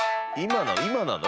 今なの？